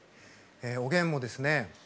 おげんもですね